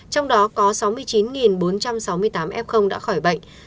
trong đó có sáu mươi chín bốn trăm sáu mươi tám f đã khỏi bệnh